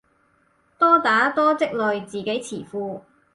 多打多積累自己詞庫